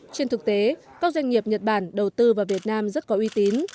trên thực tế các doanh nghiệp nhật bản đầu tư vào việt nam rất có uy tín